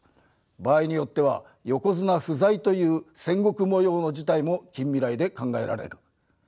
場合によっては横綱不在という戦国模様の事態も近未来で考えられる。